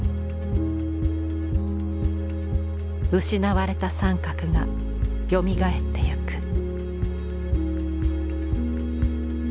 失われた三角がよみがえっていく。